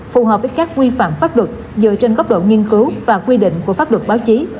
phù hợp với các quy phạm pháp luật dựa trên góc độ nghiên cứu và quy định của pháp luật báo chí